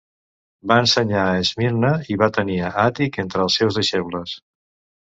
Va ensenyar a Esmirna i va tenir a Àtic entre els seus deixebles.